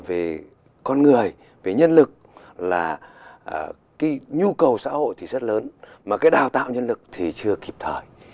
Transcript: về con người về nhân lực là cái nhu cầu xã hội thì rất lớn mà cái đào tạo nhân lực thì chưa kịp thời